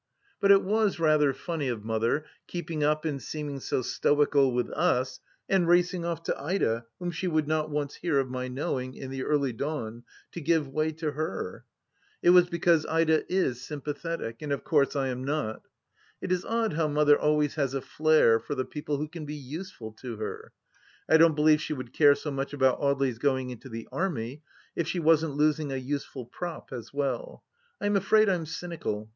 But it was rather funny of Mother keeping up and seeming so stoical with us and racing off to Ida, whom she would not once hear of my knowing, in the early dawn, to give way to her !... It was because Ida is sympathetic, and of course I am not. It is odd how Mother always has a flair for the people who can be useful to her. I don't believe she would care so much about Audely's going into the Army if she wasn't losing a useful prop as well I ... I am afraid I'm cynical